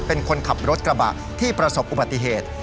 เป็นคนขับรถกระบะที่ประสบอุบัติเหตุ